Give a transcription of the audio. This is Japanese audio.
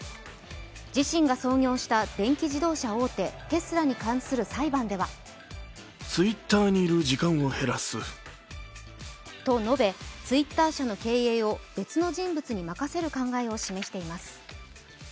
自身が創業した電気自動車大手テスラに関する裁判ではと述べ、Ｔｗｉｔｔｅｒ社の経営を別の人物に任せる考えを示しています。